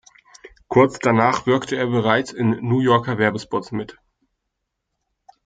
Kurz danach wirkte er bereits in New Yorker Werbespots mit.